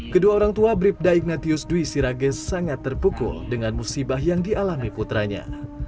kedua orang tua bribda ignatius dwi sirage sangat terpukul dengan musibah yang dialami putranya